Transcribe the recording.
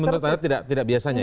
menurut anda tidak biasanya ya